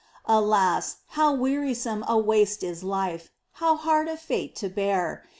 Alas, how wearisome a waste is life ! How hard a fate to bear